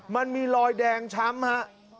มันมีรอยแดงช้ำฮะ